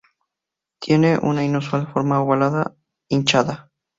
Tienen una inusual forma ovalada hinchada.